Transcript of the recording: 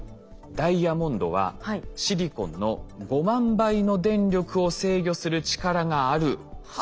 ダイヤモンドはシリコンの５万倍の電力を制御する力があるそうなんです。